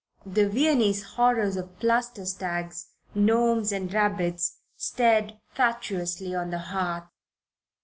The Viennese horrors of plaster stags, gnomes and rabbits stared fatuously on the hearth.